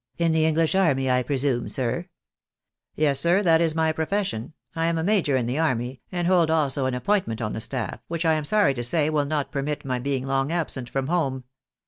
" In the English army, I presume, sir !''" Yes, sir, that is my profession, I am a major in the army, and hold also an appointment on the staff, which I am sorry to say will not permit my being long absent from home.